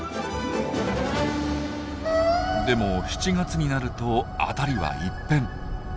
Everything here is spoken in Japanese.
でも７月になると辺りは一変。